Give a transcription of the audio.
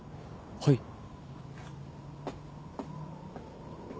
はい。